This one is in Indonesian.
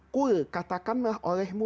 kul katakanlah olehmu